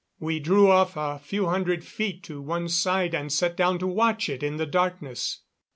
We drew off a few hundred feet to one side and sat down to watch it in the darkness.